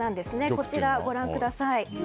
こちら、ご覧ください。